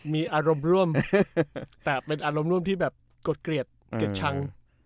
มีอารมณ์ร่วมแต่เป็นอารมณ์ร่วมที่แบบกดเกลียดเกลียดชัง